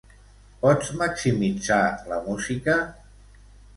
Pots maximitzar la música?